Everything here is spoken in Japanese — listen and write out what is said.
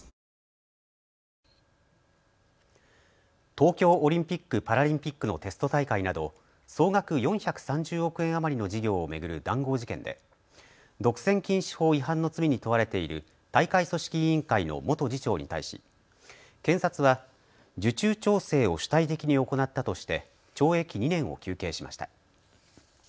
東京オリンピック・パラリンピックのテスト大会など総額４３０億円余りの事業を巡る談合事件で独占禁止法違反の罪に問われている大会組織委員会の元次長に対し検察は受注調整を主体的に行ったとして懲役２年を求刑しました。